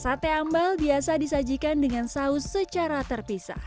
sate ambal biasa disajikan dengan saus secara terpisah